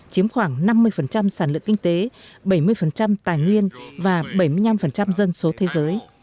chiếm khoảng năm mươi sản lượng kinh tế bảy mươi tài nguyên và bảy mươi năm dân số thế giới